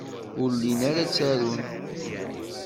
Ur llin ara ttarun.